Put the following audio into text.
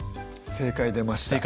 正解出ました？